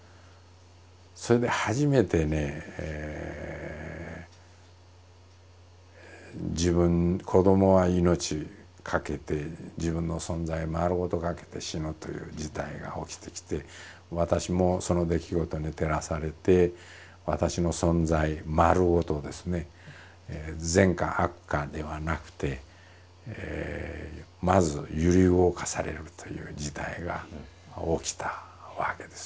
それで初めてね自分子どもは命懸けて自分の存在丸ごと懸けて死ぬという事態が起きてきて私もその出来事に照らされて私の存在丸ごとですね悪か善かではなくてまず揺り動かされるという事態が起きたわけです。